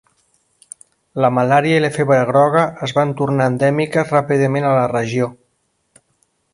La malària i la febre groga es van tornar endèmiques ràpidament a la regió.